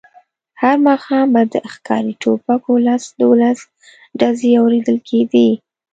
هر ماښام به د ښکاري ټوپکو لس دولس ډزې اورېدل کېدې.